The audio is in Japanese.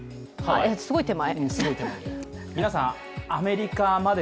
すごい手前。